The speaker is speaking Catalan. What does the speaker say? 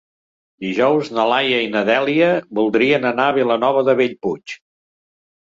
Dijous na Laia i na Dèlia voldrien anar a Vilanova de Bellpuig.